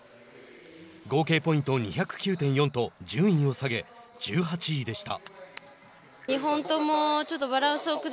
合計ポイント２０９．４と順位を下げ、１８位でした。